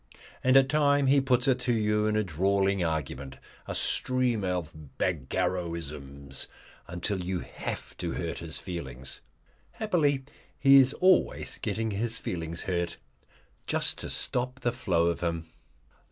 And at times he puts it to you in a drawling argument, a stream of Bagarrowisms, until you have to hurt his feelings happily he is always getting his feelings hurt just to stop the flow of him.